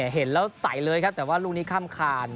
เห็นแล้วใส่เลยครับแต่ว่าลูกนี้ข้ามคาน